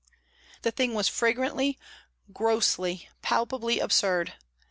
The thing was flagrantly, grossly, palpably absurd.